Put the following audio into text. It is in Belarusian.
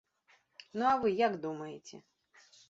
Ну, а вы як думаеце?